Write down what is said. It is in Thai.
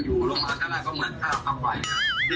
อยู่ลมหาข้างหน้าก็เหมือนถ้าเขาไปนะ